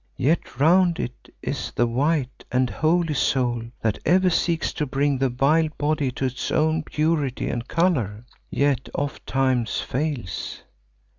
Yet round it is the white and holy soul that ever seeks to bring the vile body to its own purity and colour, yet oft times fails.